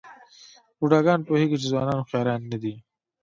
بوډاګان پوهېږي چې ځوانان هوښیاران نه دي.